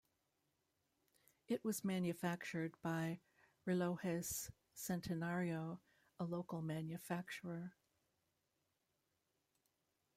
It was manufactured by Relojes Centenario, a local manufacturer.